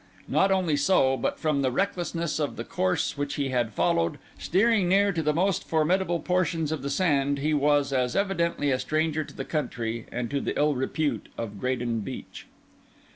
Not only so; but from the recklessness of the course which he had followed, steering near to the most formidable portions of the sand, he was as evidently a stranger to the country and to the ill repute of Graden beach.